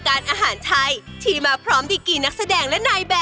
กระทัดหล่อ